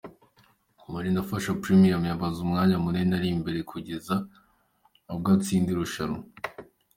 Manirafasha Premien yamaze umwanya munini ari imbere kugeza ubwo atsinda irushanwa.